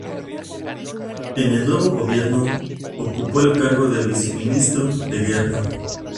En el nuevo gobierno, ocupó el cargo de viceministro de guerra.